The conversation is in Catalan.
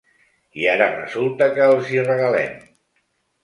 I ara resulta que els hi regalem.